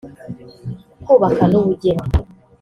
kubaka n’ubugeni